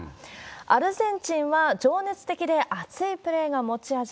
アルゼンチンは情熱的で熱いプレーが持ち味。